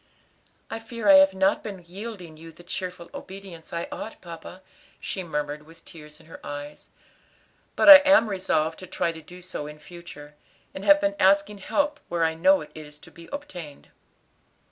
"I feat I have not been yielding you the cheerful obedience I ought, papa," she murmured with tears in her eyes, "but I am resolved to try to do so in future; and have been asking help where I know it is to be obtained."